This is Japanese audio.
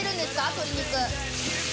鶏肉。